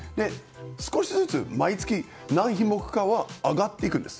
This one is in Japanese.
少しずつ何品目かは上がっていくんです。